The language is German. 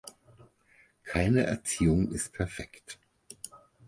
Keine Erziehung ist perfekt.